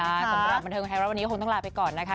สำหรับบันเทิงไทยรัฐวันนี้คงต้องลาไปก่อนนะคะ